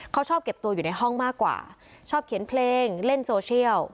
เขาชอบเก็บตัวอยู่ในห้องมากกว่าชอบเขียนเพลงเล่นโซเชียล